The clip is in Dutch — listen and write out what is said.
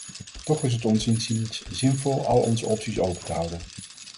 Toch is het ons inziens zinvol al onze opties open te houden.